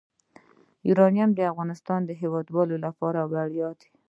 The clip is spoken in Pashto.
یورانیم د افغانستان د هیوادوالو لپاره ویاړ دی.